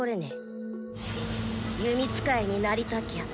弓使いになりたきゃ